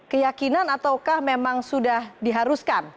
keyakinan ataukah memang sudah diharuskan